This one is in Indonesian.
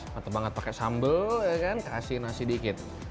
mantap banget pakai sambal kasih nasi dikit